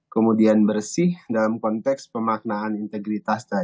kemudian bersih dalam konteks pemaknaan integritas tadi